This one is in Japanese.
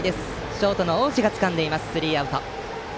ショートの大路がつかんでスリーアウト。